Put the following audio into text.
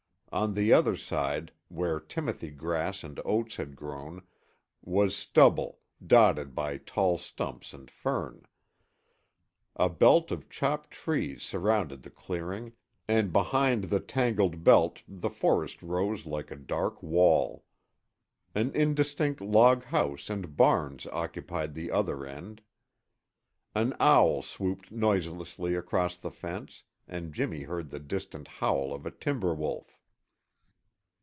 On the other side, where timothy grass and oats had grown, was stubble, dotted by tall stumps and fern. A belt of chopped trees surrounded the clearing, and behind the tangled belt the forest rose like a dark wall. An indistinct log house and barns occupied the other end. An owl swooped noiselessly across the fence, and Jimmy heard the distant howl of a timber wolf.